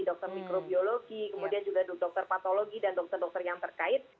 dokter mikrobiologi dokter patologi dan dokter dokter yang terkait